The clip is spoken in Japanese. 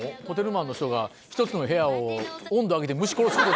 ホテルマンの人が１つの部屋を温度調整。